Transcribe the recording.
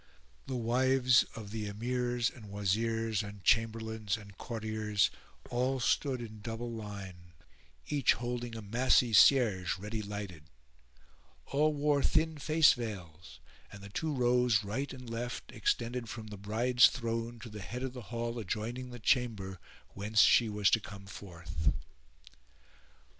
The wives of the Emirs and Wazirs and Chamberlains and Courtiers all stood in double line, each holding a massy cierge ready lighted; all wore thin face veils and the two rows right and left extended from the bride's throne [FN#408] to the head of the hall adjoining the chamber whence she was to come forth.